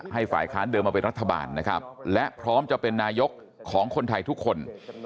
ให้ฝ่ายค้านเดิมมาเป็นรัฐบาลนะครับและพร้อมจะเป็นนายกของคนไทยทุกคน